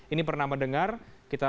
ini pernah mendengar kita